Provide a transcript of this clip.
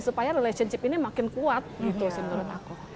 supaya relationship ini makin kuat gitu sih menurut aku